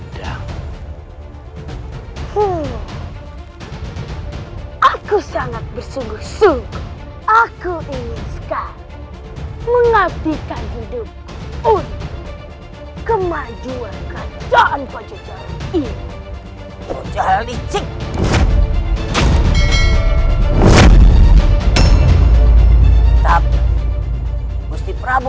terima kasih gusti prabu